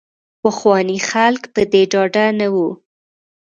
پخواني خلک په دې ډاډه نه وو.